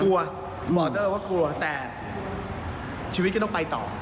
หมอตั้งเราก็กลัวแต่ชีวิตก็ต้องไปต่อ